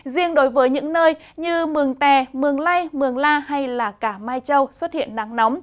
riêng đối với những nơi như mường tè mường lây mường la hay cả mai châu xuất hiện nắng nóng